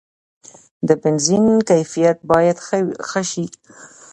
د بنزین کیفیت باید ښه شي.